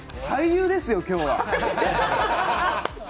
俳優ですよ、今日は。